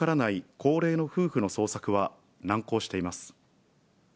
高齢の夫婦の捜索は難航しています。